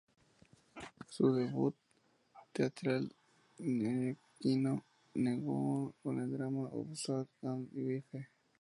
Su debut teatral neoyorquino llegó con el drama "Husband and Wife".